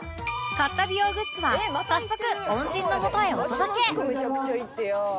買った美容グッズは早速恩人のもとへお届けおはようございます！